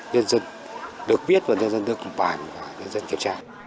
được viết vào dân dân cộng bản và dân dân kiểm tra